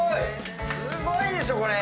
すごいでしょこれ！